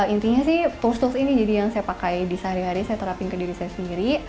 intinya sih tools tools ini jadi yang saya pakai di sehari hari saya terapin ke diri saya sendiri